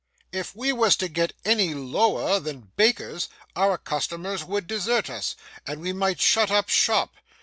If we was to get any lower than bakers, our customers would desert us, and we might shut up shop.